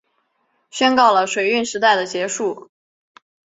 宣告了水运时代的结束